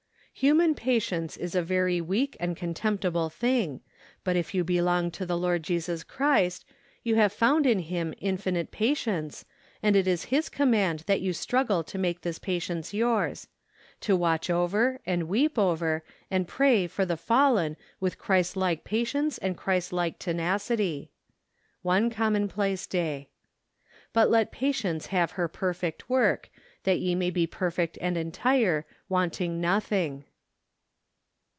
Human patience is a very weak and contemptible thing, but if you belong to the Lord Jesus Christ, you have found in Him infinite patience, and it is His com¬ mand that you struggle to make this pa¬ tience yours ; to watch over, and weep for, and pray for the fallen with Christ like patience and Christ like tenacity. One Commonplace Day. " But let patience have her perfect icork, that ye may be perfect and entire , wanting nothing